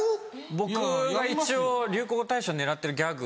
僕が一応流行語大賞狙ってるギャグ。